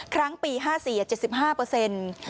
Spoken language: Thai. ครั้งปีห้าสี่อ่ะเจ็ดสิบห้าเปอร์เซ็นต์อืม